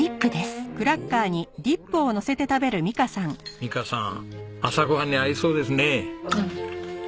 美香さん朝ごはんに合いそうですね。